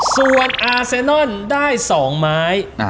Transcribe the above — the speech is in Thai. ส่วนอาเซนอนได้๒ไม้